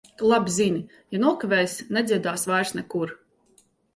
Tu labi zini - ja nokavēsi, nedziedāsi vairs nekur.